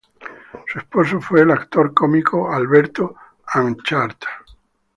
Su esposo fue el actor cómico Alberto Anchart.